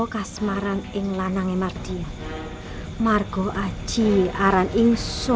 harus kamu pakai numerous gambar di ruangan itu